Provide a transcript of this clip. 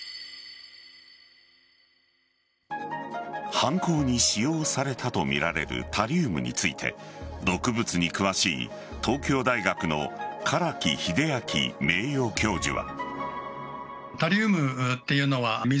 犯行に使用されたとみられるタリウムについて毒物に詳しい、東京大学の唐木英明名誉教授は。